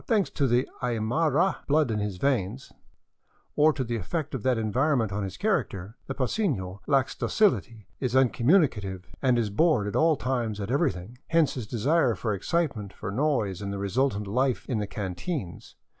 Thanks to the Aymara blood in his veins, or to the effect of that eu' vironment on his character, the paceno lacks dociHty, is uncommuni cative, and is bored at all times at everything; hence his desire for excitement, for noise, and the resultant life in the canteens.